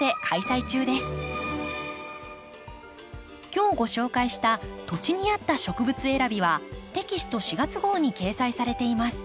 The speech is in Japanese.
今日ご紹介した「土地に合った植物選び」はテキスト４月号に掲載されています。